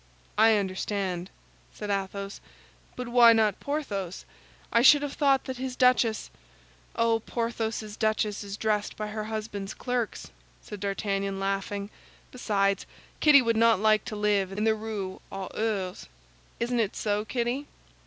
"I understand," said Athos; "but why not Porthos? I should have thought that his duchess—" "Oh, Porthos's duchess is dressed by her husband's clerks," said D'Artagnan, laughing. "Besides, Kitty would not like to live in the Rue aux Ours. Isn't it so, Kitty?"